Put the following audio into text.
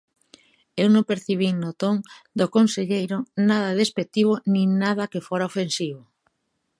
Eu non percibín no ton do conselleiro nada despectivo nin nada que fora ofensivo.